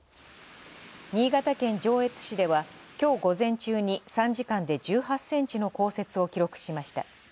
新潟県上越市では、きょう午前中に３時間で１８センチの降雪を記録しました。